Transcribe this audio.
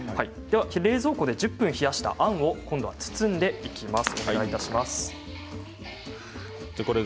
冷蔵庫で１０分冷やしたものあんを包んでいきます。